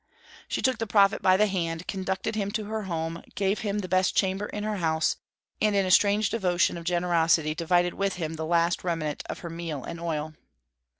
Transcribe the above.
She took the prophet by the hand, conducted him to her home, gave him the best chamber in her house, and in a strange devotion of generosity divided with him the last remnant of her meal and oil.